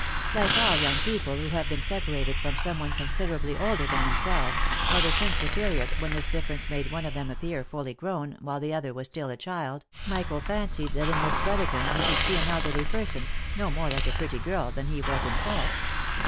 Like all young people who have been separated from some one considerably older than themselves, ever since the period when this difference made one of them appear fully grown, while the other was still a child, Michael fancied that in Miss Brotherton he should see an elderly person, no more like a pretty girl, than he was himself.